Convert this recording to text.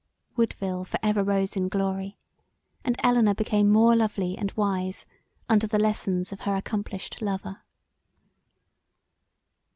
Woodville for ever rose in glory; and Elinor become more lovely and wise under the lessons of her accomplished lover.